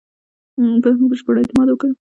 په هغه بشپړ اعتماد وکړ.